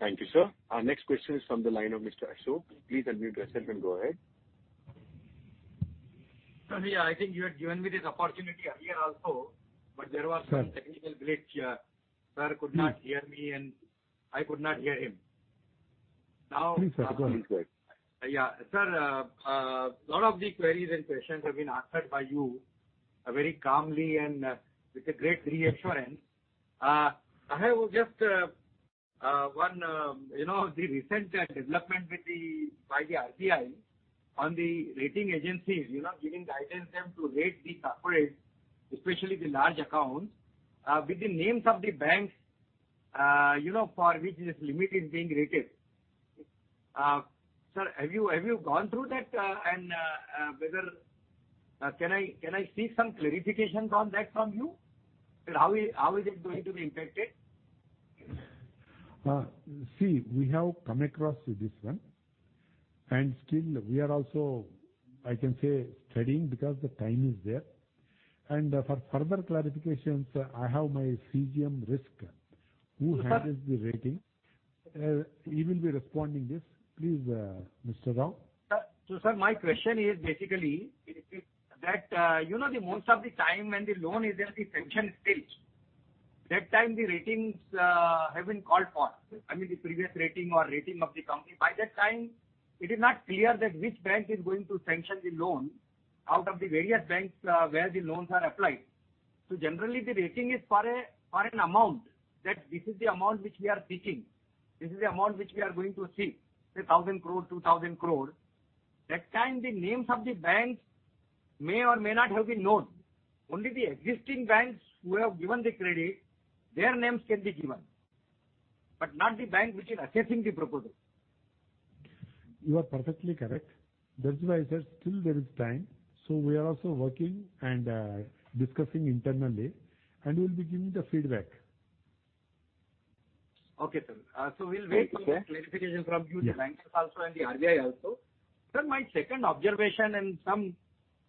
Speaker 1: Thank you, sir. Our next question is from the line of Mr. Ashok. Please unmute yourself and go ahead. Sir, yeah, I think you had given me this opportunity earlier also, but there was some technical glitch. Sir could not hear me and I could not hear him. Now.
Speaker 2: Please sir, go ahead.
Speaker 12: Yeah. Sir, a lot of the queries and questions have been answered by you very calmly and with a great reassurance. I have just one, you know, the recent development by the RBI on the rating agencies, you know, giving guidance to them to rate the corporate, especially the large accounts, with the names of the banks, you know, for which this limit is being rated. Sir, have you gone through that and whether I can see some clarifications on that from you? How is it going to be impacted?
Speaker 2: See, we have come across this one, and still we are also, I can say studying because the time is there. For further clarifications, I have my CGM risker who handles the rating. He will be responding this. Please, Mr. Rao.
Speaker 12: Sir, my question is basically you know, most of the time when the loan is at the sanction stage, that time the ratings have been called for. I mean the previous rating or rating of the company. By that time it is not clear that which bank is going to sanction the loan out of the various banks where the loans are applied. Generally the rating is for a, for an amount, that this is the amount which we are seeking. This is the amount which we are going to seek, say 1,000 crore, 2,000 crore. That time the names of the banks may or may not have been known. Only the existing banks who have given the credit, their names can be given, but not the bank which is assessing the proposal.
Speaker 2: You are perfectly correct. That's why I said still there is time. We are also working and discussing internally, and we'll be giving the feedback.
Speaker 12: Okay, sir. We'll wait.
Speaker 2: Okay.
Speaker 12: For the clarification from you, the bankers also and the RBI also. Sir, my second observation and some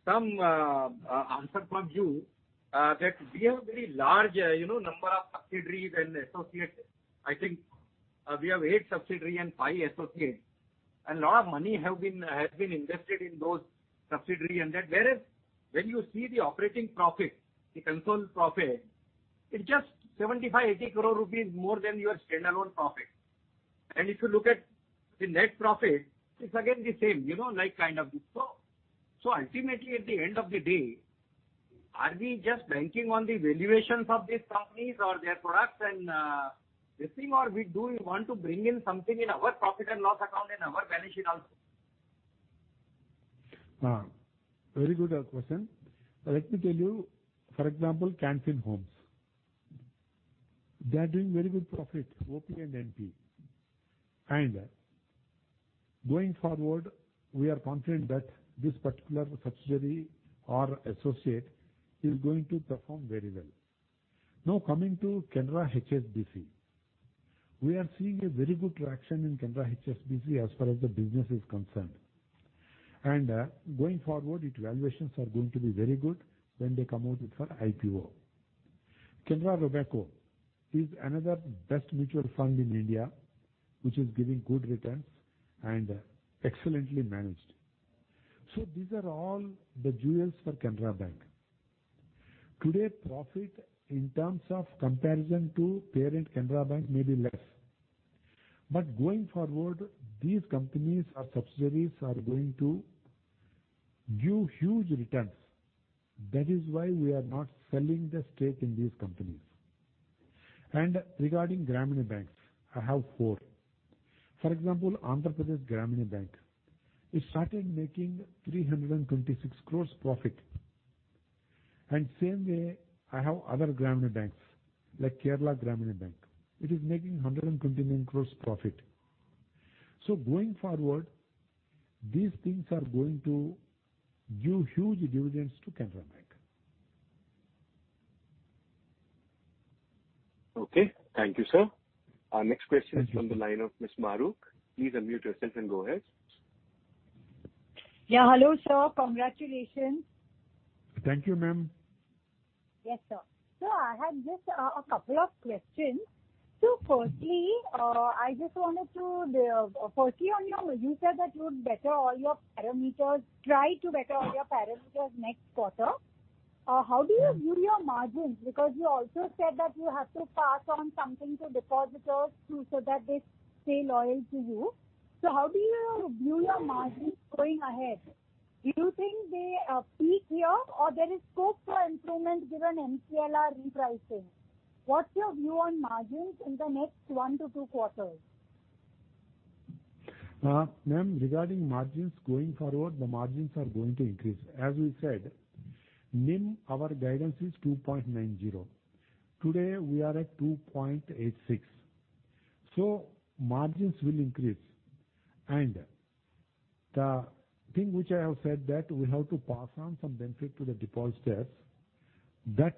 Speaker 12: answer from you that we have very large, you know, number of subsidiaries and associates. I think we have eight subsidiaries and five associates, and lot of money has been invested in those subsidiaries. Whereas when you see the operating profit, the consolidated profit, it's just 75-80 crore rupees more than your standalone profit. If you look at the net profit, it's again the same, you know, like kind of this. Ultimately at the end of the day, are we just banking on the valuations of these companies or their products and this thing or we do want to bring in something in our profit and loss account and our balance sheet also?
Speaker 2: Very good question. Let me tell you, for example, Can Fin Homes. They are doing very good profit, OP and NP. Going forward, we are confident that this particular subsidiary or associate is going to perform very well. Now, coming to Canara HSBC, we are seeing very good traction in Canara HSBC as far as the business is concerned. Going forward, its valuations are going to be very good when they come out with our IPO. Canara Robeco is another best mutual fund in India, which is giving good returns and excellently managed. These are all the jewels for Canara Bank. Today, profit in terms of comparison to parent Canara Bank may be less. Going forward, these companies or subsidiaries are going to give huge returns. That is why we are not selling the stake in these companies. Regarding Grameena Banks, I have four. For example, Andhra Pragathi Grameena Bank. It started making 326 crores profit. Same way, I have other Grameena Banks, like Kerala Grameena Bank. It is making 129 crores profit. Going forward, these things are going to give huge dividends to Canara Bank.
Speaker 1: Okay. Thank you, sir. Our next question is from the line of Ms. Mahrukh Adajania. Please unmute yourself and go ahead.
Speaker 13: Yeah. Hello, sir. Congratulations.
Speaker 2: Thank you, ma'am.
Speaker 13: Yes, sir. I had just a couple of questions. Firstly, you said that you would better all your parameters next quarter. How do you view your margins? Because you also said that you have to pass on something to depositors too, so that they stay loyal to you. How do you view your margins going ahead? Do you think they peak here or there is scope for improvement given MCLR repricing? What's your view on margins in the next one to two quarters?
Speaker 2: Ma'am, regarding margins going forward, the margins are going to increase. As we said, NIM, our guidance is 2.90%. Today, we are at 2.86%. Margins will increase. The thing which I have said that we have to pass on some benefit to the depositors, that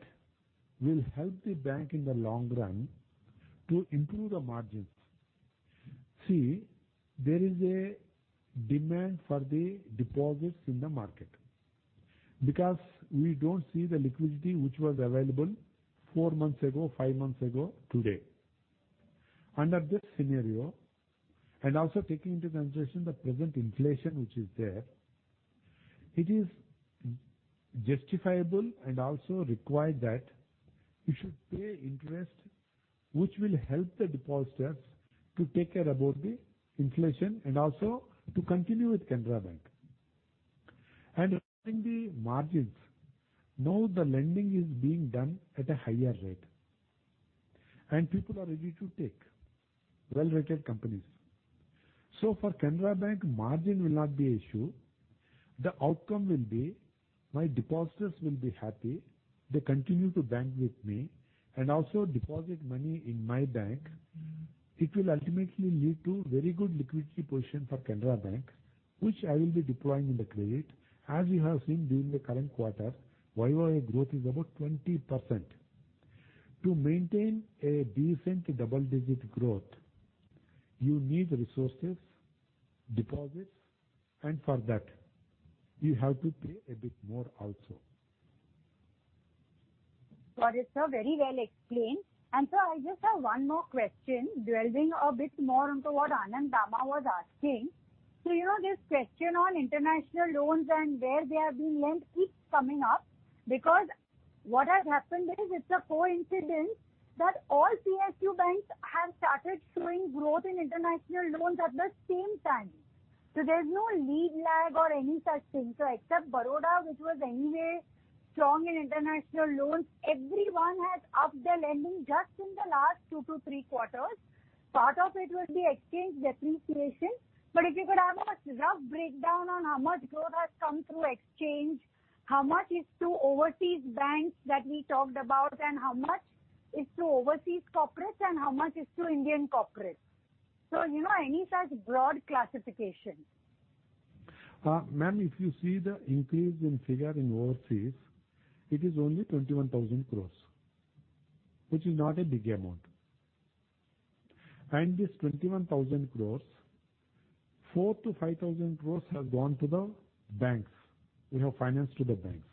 Speaker 2: will help the bank in the long run to improve the margins. See, there is a demand for the deposits in the market because we don't see the liquidity which was available four months ago, five months ago, today. Under this scenario, and also taking into consideration the present inflation which is there, it is justifiable and also required that you should pay interest, which will help the depositors to take care about the inflation and also to continue with Canara Bank. Regarding the margins, now the lending is being done at a higher rate, and people are ready to take well-rated companies. For Canara Bank, margin will not be issue. The outcome will be my depositors will be happy. They continue to bank with me and also deposit money in my bank. It will ultimately lead to very good liquidity position for Canara Bank, which I will be deploying in the credit. As you have seen during the current quarter, year-over-year growth is about 20%. To maintain a decent double-digit growth, you need resources, deposits, and for that, you have to pay a bit more also.
Speaker 13: Got it, sir. Very well explained. Sir, I just have one more question delving a bit more into what Anand Dama was asking. You know this question on international loans and where they are being lent keeps coming up because what has happened is it's a coincidence that all PSU banks have started showing growth in international loans at the same time. There's no lead lag or any such thing. Except Baroda, which was anyway strong in international loans, everyone has upped their lending just in the last two to three quarters. Part of it will be exchange depreciation. But if you could have a rough breakdown on how much growth has come through exchange, how much is to overseas banks that we talked about, and how much is to overseas corporates and how much is to Indian corporates. You know, any such broad classification.
Speaker 2: Ma'am, if you see the increase in figure in overseas, it is only 21,000 crore, which is not a big amount. This 21,000 crore, 4,000-5,000 crore has gone to the banks. We have financed to the banks.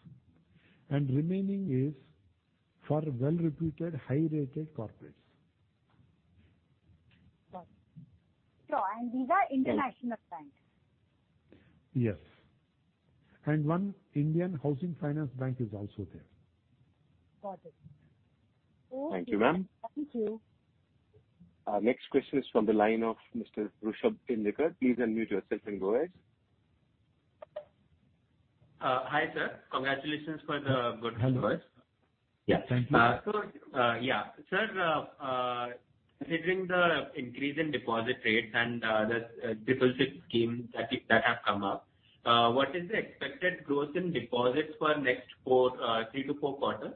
Speaker 2: Remaining is for well-reputed, high-rated corporates.
Speaker 13: Got it. Sure, these are international banks.
Speaker 2: Yes. One Indian housing finance bank is also there.
Speaker 13: Got it.
Speaker 2: Thank you, ma'am.
Speaker 13: Thank you.
Speaker 1: Next question is from the line of Mr. Rishabh Tendolkar. Please unmute yourself and go ahead.
Speaker 10: Hi, sir. Congratulations for the good numbers.
Speaker 2: Yes. Thank you.
Speaker 10: Sir, considering the increase in deposit rates and the deposit scheme that have come up, what is the expected growth in deposits for next three to four quarters?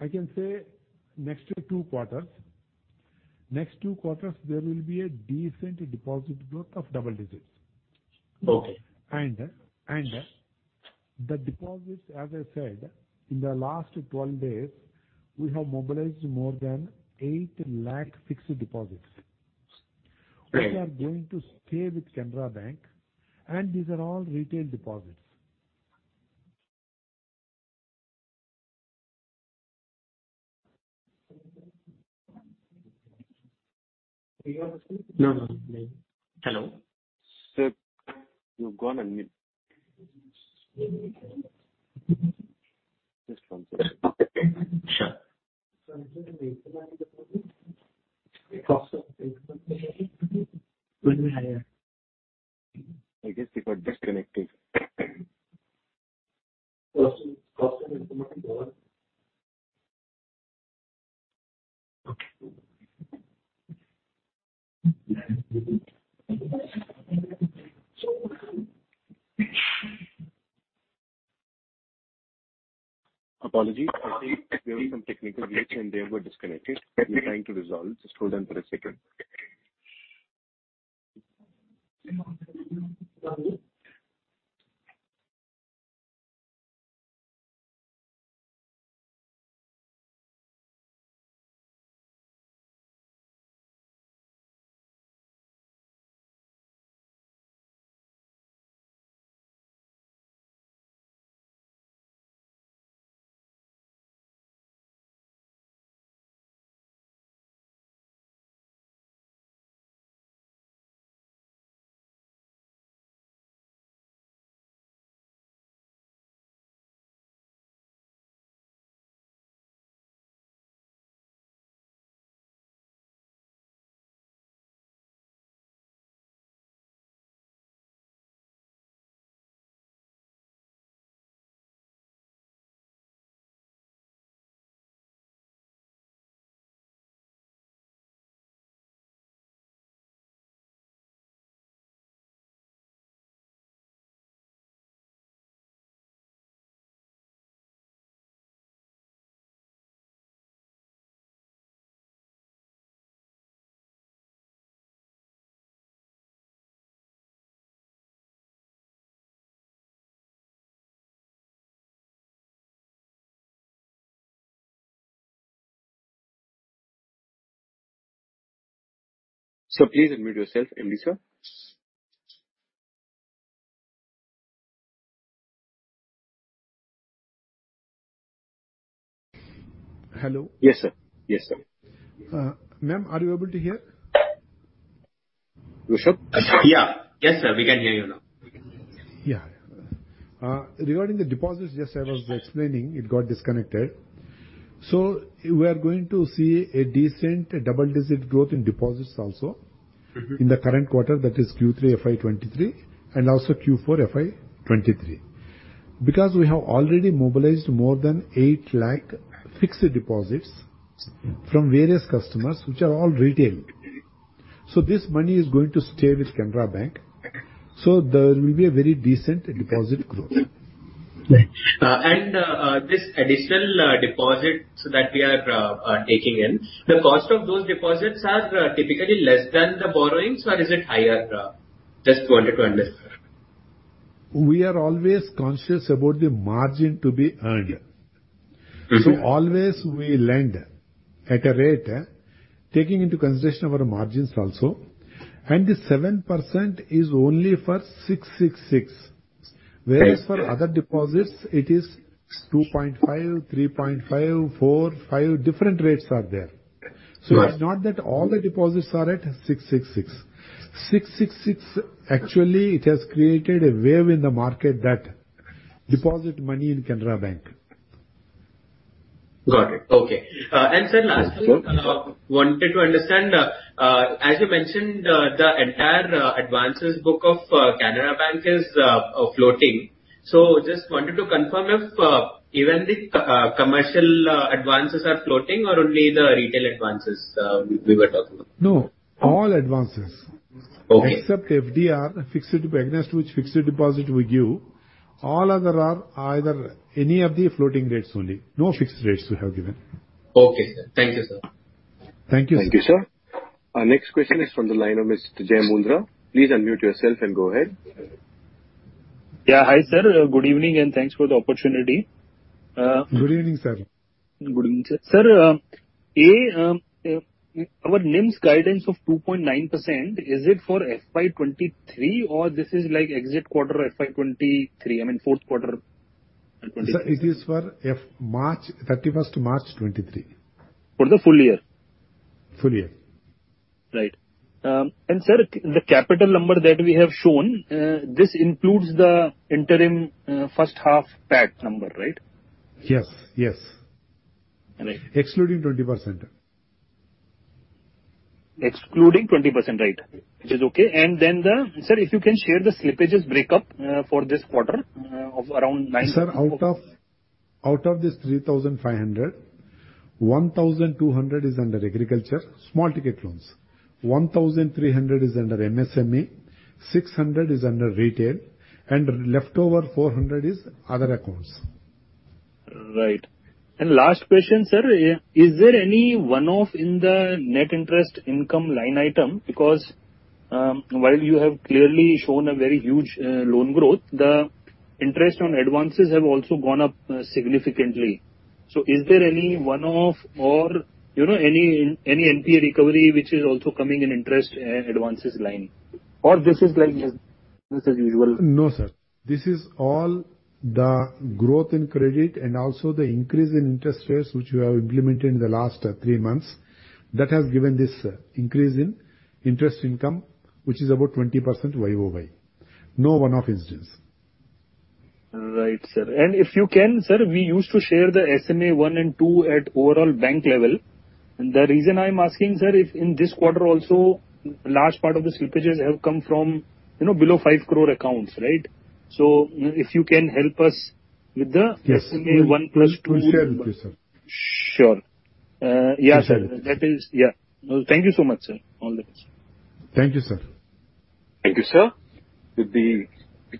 Speaker 2: I can say next two quarters, there will be a decent deposit growth of double digits.
Speaker 10: Okay.
Speaker 2: The deposits, as I said, in the last 12 days, we have mobilized more than 8 lakh fixed deposits.
Speaker 10: Okay.
Speaker 2: Which are going to stay with Canara Bank, and these are all retail deposits.
Speaker 1: No, no. Hello? Sir, you've gone on mute. Just one second.
Speaker 2: Okay. Sure.
Speaker 1: I guess they got disconnected. Apologies. I think there were some technical glitch, and they were disconnected. We're trying to resolve. Just hold on for a second. Sir, please unmute yourself, Elisa.
Speaker 2: Hello?
Speaker 1: Yes, sir. Yes, sir.
Speaker 2: Ma'am, are you able to hear?
Speaker 1: Rishabh?
Speaker 10: Yeah. Yes, sir, we can hear you now.
Speaker 2: Regarding the deposits, yes, I was explaining, it got disconnected. We are going to see a decent double-digit growth in deposits also.
Speaker 10: Mm-hmm.
Speaker 2: In the current quarter, that is Q3 FY 2022-23 and also Q4 FY 2022-2023. Because we have already mobilized more than 8 lakh fixed deposits from various customers, which are all retail.
Speaker 10: Mm-hmm.
Speaker 2: This money is going to stay with Canara Bank.
Speaker 10: Okay.
Speaker 2: There will be a very decent deposit growth.
Speaker 10: This additional deposits that we are taking in, the cost of those deposits are typically less than the borrowings, or is it higher? Just wanted to understand.
Speaker 2: We are always conscious about the margin to be earned.
Speaker 10: Mm-hmm.
Speaker 2: Always we lend at a rate, taking into consideration our margins also, and the 7% is only for 666.
Speaker 10: Right.
Speaker 2: Whereas for other deposits, it is 2.5%, 3.5%, 4%, 5%, different rates are there.
Speaker 10: Right.
Speaker 2: It's not that all the deposits are at 666. Actually, it has created a wave in the market to deposit money in Canara Bank.
Speaker 10: Got it. Okay. Sir, lastly.
Speaker 2: Yes, sir.
Speaker 10: Wanted to understand, as you mentioned, the entire advances book of Canara Bank is floating. So just wanted to confirm if even the commercial advances are floating or only the retail advances we were talking about?
Speaker 2: No, all advances.
Speaker 10: Okay.
Speaker 2: Except FDR, fixed deposit against which fixed deposit we give, all other are either any of the floating rates only. No fixed rates we have given.
Speaker 10: Okay, sir. Thank you, sir.
Speaker 2: Thank you.
Speaker 1: Thank you, sir. Our next question is from the line of Mr. Jai Mundra. Please unmute yourself and go ahead.
Speaker 14: Yeah. Hi, sir. Good evening, and thanks for the opportunity.
Speaker 2: Good evening, sir.
Speaker 14: Good evening, sir. Sir, our NIM's guidance of 2.9%, is it for FY 2022-2023 or this is like exit quarter FY 2022-2023? I mean, fourth quarter FY 2022-23.
Speaker 2: Sir, it is for FY March 31, 2023.
Speaker 14: For the full year?
Speaker 2: Full year.
Speaker 14: Right. Sir, the capital number that we have shown, this includes the interim, first half PAT number, right?
Speaker 2: Yes, yes.
Speaker 14: Right.
Speaker 2: Excluding 20%.
Speaker 14: Excluding 20%, right. Which is okay. Sir, if you can share the slippages breakup for this quarter of around 9-
Speaker 2: Sir, out of this 3,500, 1,200 is under agriculture, small ticket loans. 1,300 is under MSME, 600 is under retail, and leftover 400 is other accounts.
Speaker 14: Right. Last question, sir. Is there any one-off in the net interest income line item? Because, while you have clearly shown a very huge, loan growth, the interest on advances have also gone up, significantly. So is there any one-off or, you know, any NPA recovery which is also coming in interest, advances line? Or this is like business as usual?
Speaker 2: No, sir. This is all the growth in credit and also the increase in interest rates which we have implemented in the last three months that has given this increase in interest income, which is about 20% YOY. No one-off instance.
Speaker 14: Right, sir. If you can, sir, we used to share the SMA 1 and 2 at overall bank level. The reason I'm asking, sir, if in this quarter also large part of the slippages have come from, you know, below 5 crore accounts, right? If you can help us with the-
Speaker 2: Yes.
Speaker 14: SMA 1 + 2.
Speaker 2: We'll share with you, sir.
Speaker 14: Sure. Yeah, sir.
Speaker 2: Yes, sir.
Speaker 14: Thank you so much, sir. All the best.
Speaker 2: Thank you, sir.
Speaker 1: Thank you, sir.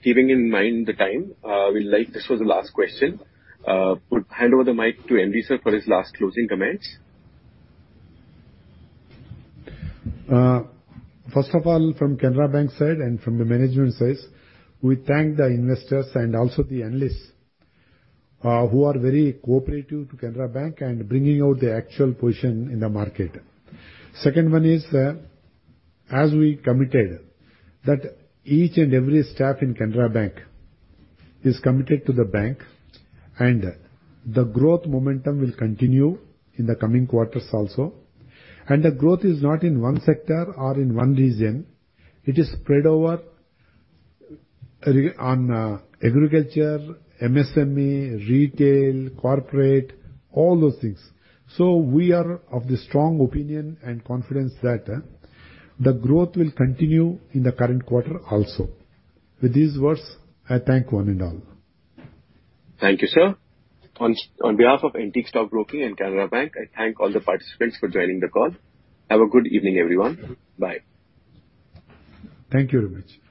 Speaker 1: Keeping in mind the time, we'll take this for the last question. Hand over the mic to L.V. Prabhakar for his last closing comments.
Speaker 2: First of all, from Canara Bank side and from the management side, we thank the investors and also the analysts, who are very cooperative to Canara Bank and bringing out the actual position in the market. Second one is, as we committed that each and every staff in Canara Bank is committed to the bank, and the growth momentum will continue in the coming quarters also. The growth is not in one sector or in one region. It is spread over agriculture, MSME, retail, corporate, all those things. We are of the strong opinion and confidence that, the growth will continue in the current quarter also. With these words, I thank one and all.
Speaker 1: Thank you, sir. On behalf of Antique Stock Broking and Canara Bank, I thank all the participants for joining the call. Have a good evening, everyone. Bye.
Speaker 2: Thank you very much.